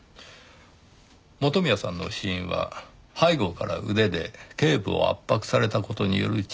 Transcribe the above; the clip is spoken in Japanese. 元宮さんの死因は背後から腕で頸部を圧迫された事による窒息。